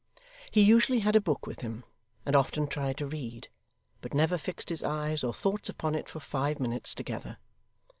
He usually had a book with him, and often tried to read, but never fixed his eyes or thoughts upon it for five minutes together.